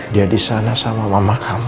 dia disana sama mamah kamu